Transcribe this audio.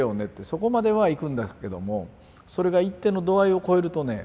そこまではいくんですけどもそれが一定の度合いを超えるとね